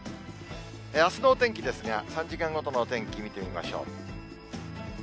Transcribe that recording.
あすのお天気ですが、３時間ごとのお天気見てみましょう。